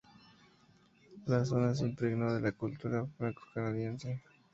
La zona se impregnó de la cultura francocanadiense.